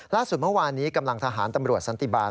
ล่าสุดเมื่อวานนี้กำลังทหารตำรวจสันติบาล